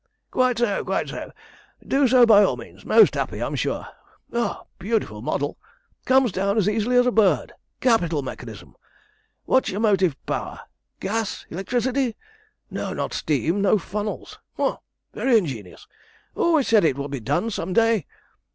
"Quite so, quite so; do so by all means. Most happy, I'm sure. Ah! beautiful model. Comes down as easily as a bird. Capital mechanism. What's your motive power? Gas, electricity no, not steam, no funnels! Humph! Very ingenious. Always said it would be done some day.